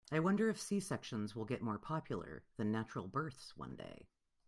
I wonder if C-sections will get more popular than natural births one day.